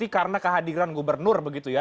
karena kehadiran gubernur begitu ya